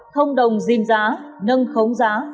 thông đồng diêm giá nâng khống giá